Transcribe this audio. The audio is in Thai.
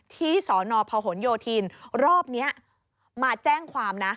สนพหนโยธินรอบนี้มาแจ้งความนะ